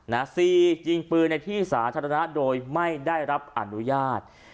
สี่ยิงปืนในที่สาธารณะโดยไม่ได้รับอนุญาต